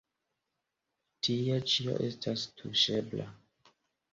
Tie ĉio estas tuŝebla.